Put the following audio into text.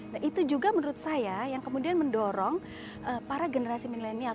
nah itu juga menurut saya yang kemudian mendorong para generasi milenial